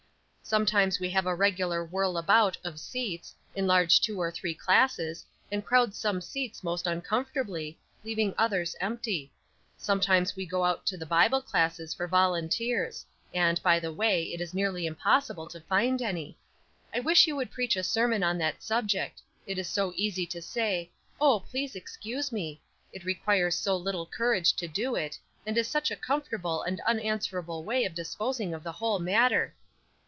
Sometimes we have a regular whirl about of seats, enlarge two or three classes, and crowd some seats most uncomfortably, leaving others empty; sometimes we go out to the Bible classes for volunteers and, by the way, it is nearly impossible to find any. I wish you would preach a sermon on that subject. It is so easy to say, 'Oh, please excuse me;' it requires so little courage to do it; and is such a comfortable and unanswerable way of disposing of the whole matter.